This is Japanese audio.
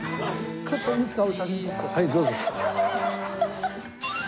はいどうぞ。